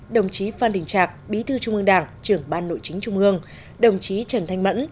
đồng chí phan đình trạc bí thư trung ương đảng trưởng ban nội chính trung ương đồng chí trần thanh mẫn